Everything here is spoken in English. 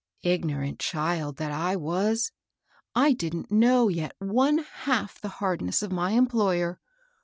" Ignorant child that I was ! I didn't know yet one half the hardness of my employer.